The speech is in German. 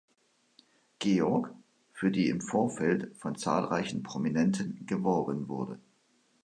Georg, für die im Vorfeld von zahlreichen Prominenten geworben wurde.